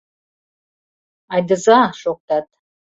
Айдыза! — шоктат.